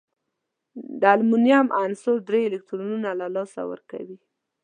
د المونیم عنصر درې الکترونونه له لاسه ورکوي.